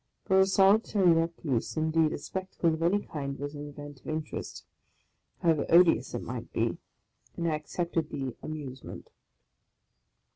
For a solitary recluse, indeed, a spectacle of any kind was an event of interest, however odious it might be; and I ac cepted the " amusement."